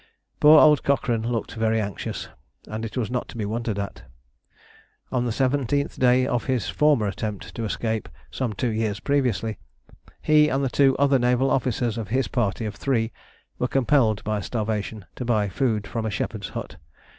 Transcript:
Poor old Cochrane looked very anxious, and it was not to be wondered at. On the seventeenth day of his former attempt to escape, some two years previously, he and the two other naval officers of his party of three were compelled by starvation to buy food from a shepherd's hut.